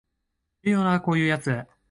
いるよなこういうやつ